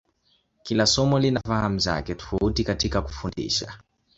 Kila somo lina fahamu zake tofauti katika kufundisha.